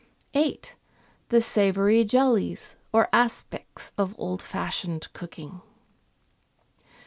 8. The savoury jellies or aspics of old fashioned cooking.